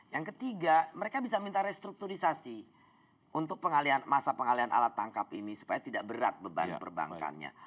yang ketiga mereka bisa minta restrukturisasi untuk pengalian masa pengalian alat tangkap ini supaya tidak berat beban perbankannya